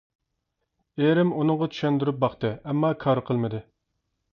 ئېرىم ئۇنىڭغا چۈشەندۈرۈپ باقتى، ئەمما كار قىلمىدى.